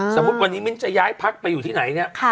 สมมุติวันนี้มิ้นจะย้ายพักไปอยู่ที่ไหนเนี่ย